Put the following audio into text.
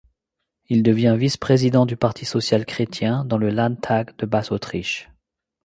Il devient vice-président du parti social chrétien dans le Landtag de Basse-Autriche.